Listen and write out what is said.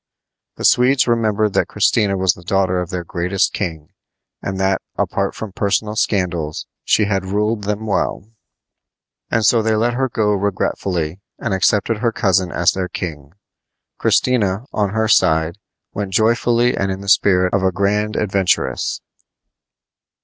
The Swedes remembered that Christina was the daughter of their greatest king, and that, apart from personal scandals, she had ruled them well; and so they let her go regretfully and accepted her cousin as their king. Christina, on her side, went joyfully and in the spirit of a grand adventuress.